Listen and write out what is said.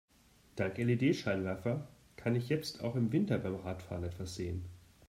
Dank LED-Scheinwerfer kann ich jetzt auch im Winter beim Radfahren etwas sehen.